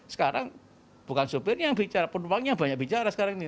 sekarang bukan sopirnya yang bicara penumpangnya banyak bicara sekarang ini